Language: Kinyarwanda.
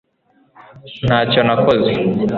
ntacyo nakoze